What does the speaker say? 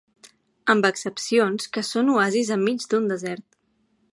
Amb excepcions que són oasis enmig d’un desert.